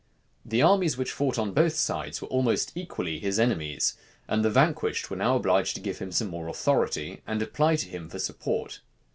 The armies which fought on both sides, were almost equally his enemies; and the vanquished were now obliged to give him some more authority, and apply to him for support.